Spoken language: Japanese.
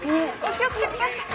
気を付けて気を付けて！